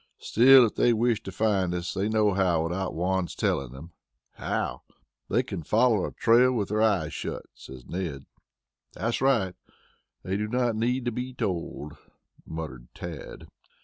"Still, if they wish to find us they know how without Juan's telling them." "How?" "They can follow a trail with their eyes shut," said Ned. "That's right. They do not need to be told," muttered Tad.